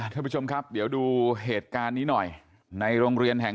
ท่านผู้ชมครับเดี๋ยวดูเหตุการณ์นี้หน่อยในโรงเรียนแห่ง